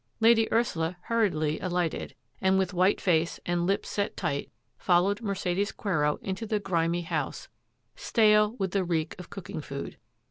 Lady Ursula hurriedly alighted, and with white face and lips set tight, followed Mercedes Quero into the grimy house, stale with the reek of cook ing food.